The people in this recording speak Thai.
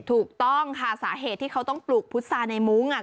ถูกต้องค่ะสาเหตุที่เขาต้องปลูกพุษาในมุ้งอ่ะ